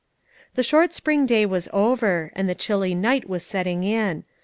The short spring day was over, and the chilly night was setting in.